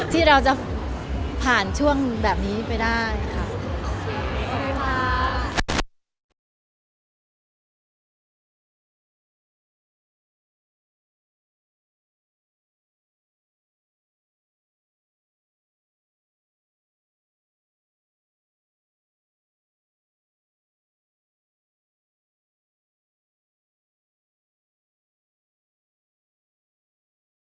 ที่เราจะผ่านช่วงแบบนี้ไปได้ค่ะ